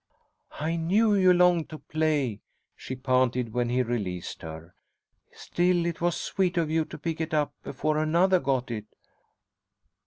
"I knew you longed to play," she panted, when he released her. "Still, it was sweet of you to pick it up before another got it."